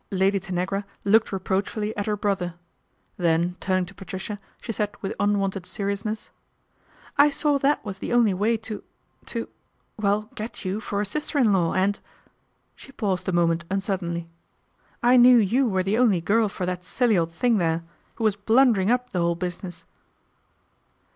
Lady Tanagra looked reproachfully at her brother. Then turning to Patricia she said with unwonted seriousness : 4 I saw that was the only way to to well get you for a sister in law and," she paused a moment uncertainly. " I knew you were the only girl for that silly old thing there, who was blundering up the whole business."